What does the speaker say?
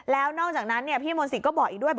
แล้วนอกจากนั้นพี่มนศิษย์ก็บอกอีกด้วย